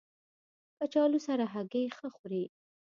کچالو سره هګۍ ښه خوري